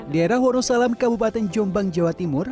di area wonosalam kabupaten jombang jawa timur